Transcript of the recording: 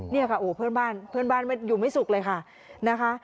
นี่ค่ะเพื่อนบ้านอยู่ไม่สุขเลยค่ะ